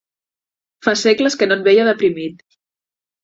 Fa segles que no et veia deprimit.